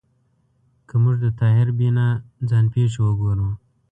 که موږ د طاهر بینا ځان پېښې وګورو